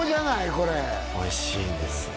これおいしいんです